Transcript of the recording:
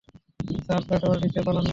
Sir, ফ্লাইওভারের নিচে Balan lodge.